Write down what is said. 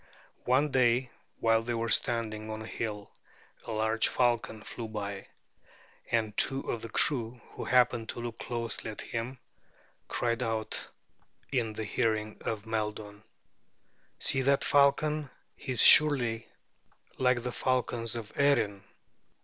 One day while they were standing on a hill a large falcon flew by; and two of the crew, who happened to look closely at him, cried out in the hearing of Maeldun: "See that falcon! he is surely like the falcons of Erin!"